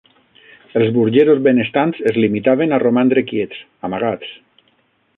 Els burgesos benestants es limitaven a romandre quiets, amagats